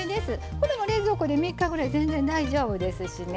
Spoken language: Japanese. これも冷蔵庫で３日ぐらい全然大丈夫ですしね。